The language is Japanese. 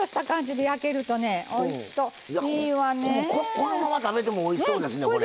このまま食べてもおいしそうですねこれ。